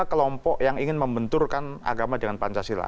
kelompok yang ingin membenturkan agama dengan pancasila